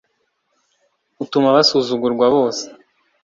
utuma basuzugurwa bose